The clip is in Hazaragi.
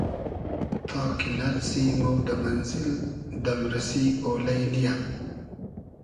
تا کی نئرسی مۉ دۂ مئنزیل دئمریسی اۉلݷ نییۂ